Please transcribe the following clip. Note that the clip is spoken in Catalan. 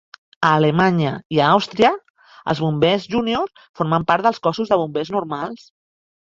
A Alemanya i a Àustria els bombers júnior formen part dels cossos de bombers normals.